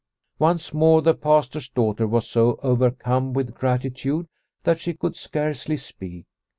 Once more the Pastor's daughter was so overcome with gratitude that she could scarcely speak.